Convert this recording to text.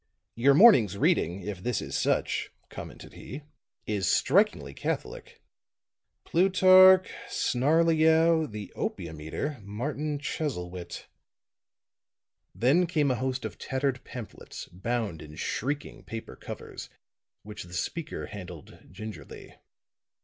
"Your morning's reading, if this is such," commented he, "is strikingly catholic. Plutarch, Snarleyow, the Opium Eater, Martin Chuzzlewit." Then came a host of tattered pamphlets, bound in shrieking paper covers, which the speaker handled gingerly.